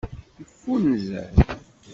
Yeffunzer.